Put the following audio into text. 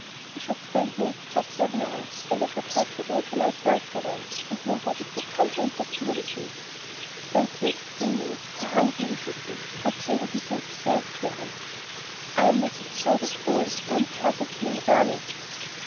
"We should stay here just where we are, and I should have you all to myself for once, and nobody could come in to interfere with me." "Thank you extremely! How hungry we should be! How can you be so absurd, Clarence?" "I'm not absurd at all. I'm perfectly in earnest."